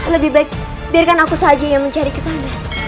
lebih baik biarkan aku saja yang mencari ke sana